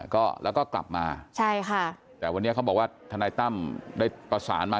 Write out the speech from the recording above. เราก็กลับมาแต่วันนี้เขาบอกว่าท่านายตั้มได้ประสานมา